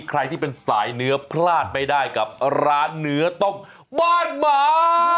ใครที่เป็นสายเนื้อพลาดไม่ได้กับร้านเนื้อต้มบ้านหมา